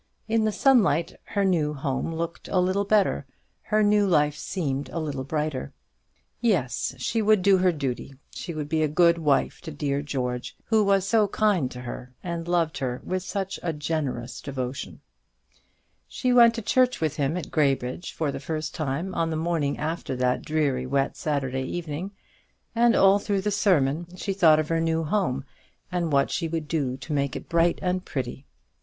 In the sunlight her new home looked a little better, her new life seemed a little brighter. Yes, she would do her duty; she would be a good wife to dear George, who was so kind to her, and loved her with such a generous devotion. She went to church with him at Graybridge for the first time on the morning after that dreary wet Saturday evening; and all through the sermon she thought of her new home, and what she would do to make it bright and pretty.